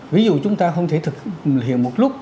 ví dụ chúng ta không thể thực hiện một lúc